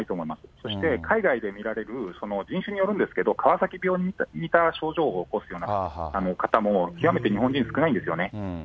そして、海外で見られる、人種によるんですけど、川崎病に似た症状を起こすような方も極めて日本人、少ないんですよね。